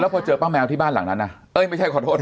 พอเจอป้าคนนั้นที่บ้านหลังนั้นน่ะบ้าน